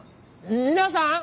皆さん！